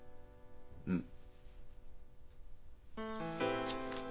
うん。